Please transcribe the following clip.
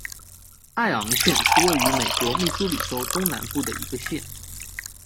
艾昂县是位于美国密苏里州东南部的一个县。